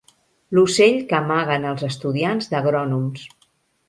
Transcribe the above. L'ocell que amaguen els estudiants d'agrònoms.